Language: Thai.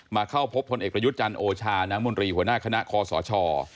เข้าพบพลเอกประยุทธ์จันทร์โอชาน้ำมนตรีหัวหน้าคณะคอสช